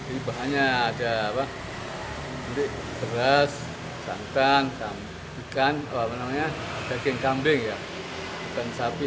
ini bahannya ada beras santan ikan daging kambing ya ikan sapi